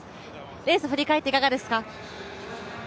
レース振り返っていかがですか？